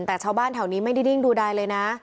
แต่ชาวบ้านแถวนี้ไม่ได้ดิ้งดูดายเลยนะ